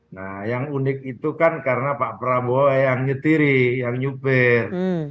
nah yang unik itu kan karena pak prabowo yang nyetiri yang nyupir